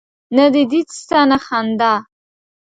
نه دي دید سته نه خندا